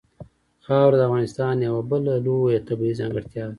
خاوره د افغانستان یوه بله لویه طبیعي ځانګړتیا ده.